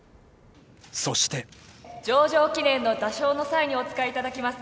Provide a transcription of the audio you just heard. ［そして］上場記念の打鐘の際にお使いいただきます